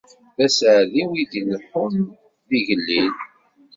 D aseɛdi win i d-ilehhun d yigellil.